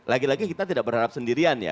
lagi lagi kita tidak berharap sendirian ya